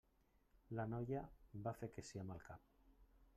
La noia va fer que sí amb el cap.